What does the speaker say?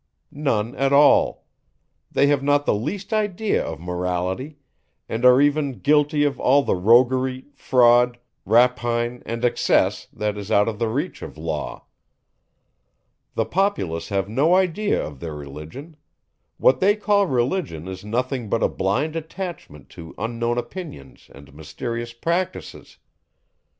None at all. They have not the least idea of Morality, and are even guilty of all the roguery, fraud, rapine, and excess, that is out of the reach of law. The populace have no idea of their Religion; what they call Religion is nothing but a blind attachment to unknown opinions and mysterious practices.